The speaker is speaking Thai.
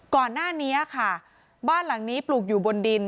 ก่อนหน้านี้ค่ะบ้านหลังนี้ปลูกอยู่บนดิน